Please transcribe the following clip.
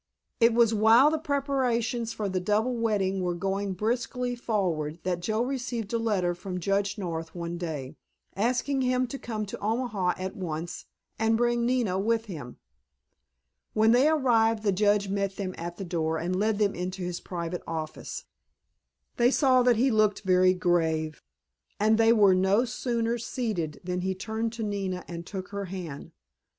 It was while the preparations for the double wedding were going briskly forward that Joe received a letter from Judge North one day, asking him to come to Omaha at once, and bring Nina with him. When they arrived the Judge met them at the door and led them into his private office. They saw that he looked very grave, and they were no sooner seated than he turned to Nina and took her hand.